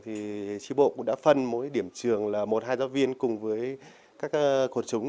thì tri bộ cũng đã phân mỗi điểm trường là một hai giáo viên cùng với các khuôn trúng